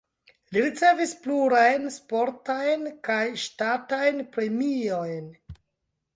Li ricevis plurajn sportajn kaj ŝtatajn premiojn.